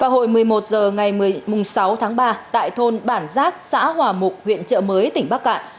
hồi một mươi một h ngày sáu tháng ba tại thôn bản giác xã hòa mục huyện trợ mới tỉnh bắc cạn